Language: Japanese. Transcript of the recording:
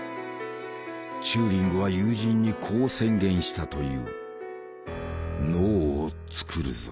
チューリングは友人にこう宣言したという。